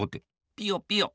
ピヨピヨ。